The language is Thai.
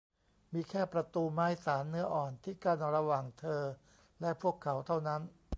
มีแค่ประตูไม้สานเนื้ออ่อนที่กั้นระหว่างเธอและพวกเขาเท่านั้น